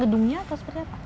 gedungnya atau seperti apa